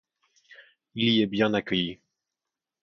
Il y est bien accueilli.